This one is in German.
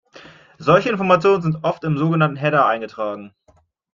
Solche Informationen sind oft im sogenannten Header eingetragen.